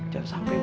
jangan sampai bodoh